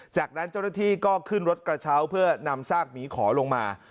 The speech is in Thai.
จากนั้นเจ้าหน้าที่ก็ขึ้นรถกระเช้าเพื่อนำซากหมีขอลงมา